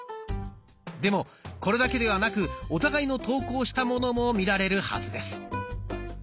でもこれだけではなくお互いの投稿したものも見られるはずです。